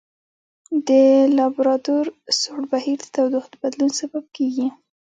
د لابرادور سوړ بهیر د تودوخې د بدلون سبب کیږي.